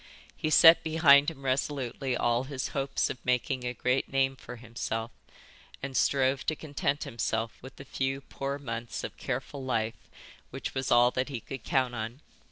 He set behind him resolutely all his hopes of making a great name for himself and strove to content himself with the few poor months of careful life which was all that he could count on.